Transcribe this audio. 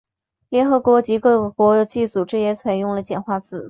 联合国及各国际组织也都采用了简化字。